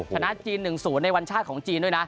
ชนะจีน๑๐ในวันชาติของจีนด้วยนะ